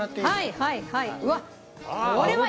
はいはいはい。